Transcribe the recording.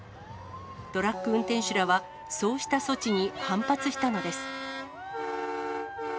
トラック運転手らは、そうした措置に反発したのです。